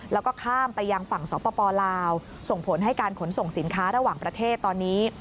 แล้วก็ข้ามไปยังฝั่งสปลาวส่งผลให้การขนส่งสินค้าระหว่างประเทศตอนนี้